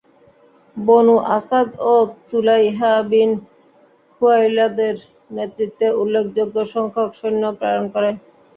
বনূ আসাদও Tulayha bin খুয়াইলাদের নেতৃত্বে উল্লেখযোগ্য সংখ্যক সৈন্য প্রেরণ করে।